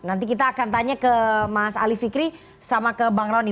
saya mau tanya ke mas ali fikri sama ke bang rony